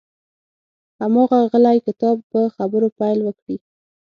هماغه غلی کتاب په خبرو پیل وکړي.